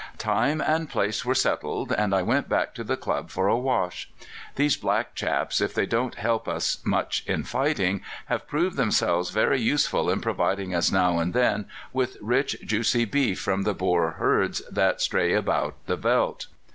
"Time and place were settled, and I went back to the club for a wash. These black chaps, if they don't help us much in fighting, have proved themselves very useful in providing us now and then with rich, juicy beef from the Boer herds that stray about the veldt.